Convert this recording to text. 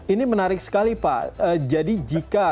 ini menarik sekali pak jadi jika